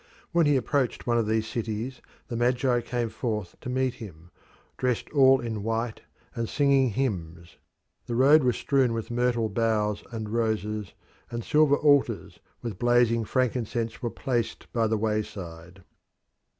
When he approached one of these cities the magi came forth to meet him, dressed all in white and singing hymns. The road was strewn with myrtle boughs and roses, and silver altars with blazing frankincense were placed by the wayside.